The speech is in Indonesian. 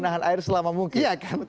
menahan air selama mungkin